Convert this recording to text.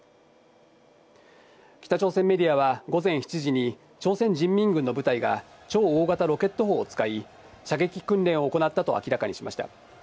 北朝鮮メディアは午前７時に朝鮮人民軍の部隊が超大型ロケット砲を使い、射撃訓練を行ったと明らかにしました。